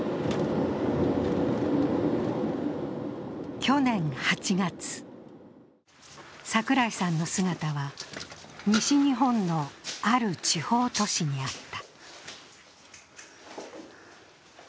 去年８月、櫻井さんの姿は西日本のある地方都市にあった。